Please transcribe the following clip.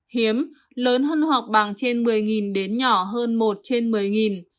hiếm lớn hơn họp bằng trên một mươi đến nhỏ hơn một trên một mươi